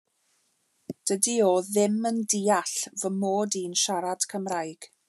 Dydy o ddim yn deall fy mod i'n siarad Cymraeg.